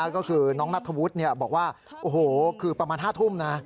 ก็คือน้องนัทธวุฒิบอกว่าโอ้โหคือประมาณ๕ทุ่มนะ